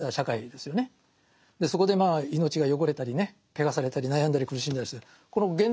そこでまあ命が汚れたりね穢されたり悩んだり苦しんだりする。